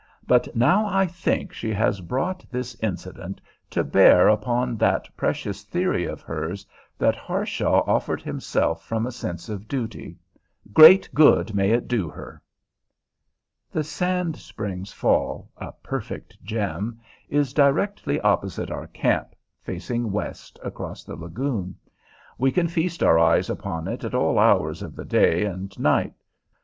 But now I think she has brought this incident to bear upon that precious theory of hers, that Harshaw offered himself from a sense of duty. Great good may it do her! The Sand Springs Fall, a perfect gem, is directly opposite our camp, facing west across the lagoon. We can feast our eyes upon it at all hours of the day and night.